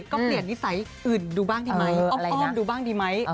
ก็เปลี่ยนนิสัยอื่นดูบ้างดีไหมอ้อมดูบ้างดีไหม